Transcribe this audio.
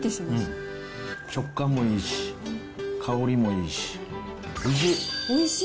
食感もいいし、香りもいいしおいしい。